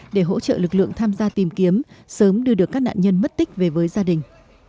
để hỗ trợ lực lượng tham gia tìm kiếm sớm đưa được các nạn nhân mất tích về với gia đình